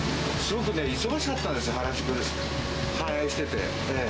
すごくね、忙しかったんですよ、原宿が繁栄してて。